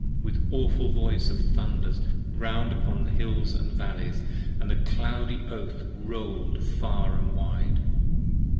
with awful voice of thunders round 10 Upon the hills & valleys, and the cloudy Oath roll'd far and wide.